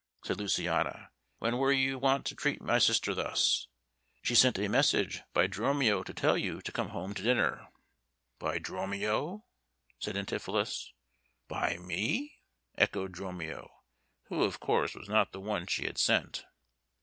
said Luciana. "When were you wont to treat my sister thus? She sent a message by Dromio to tell you to come home to dinner." "By Dromio?" said Antipholus. "By me?" echoed Dromio, who, of course, was not the one she had sent.